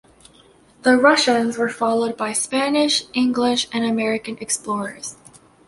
The Russians were followed by Spanish, English, and American explorers.